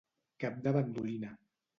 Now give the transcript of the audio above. Cap de bandolina.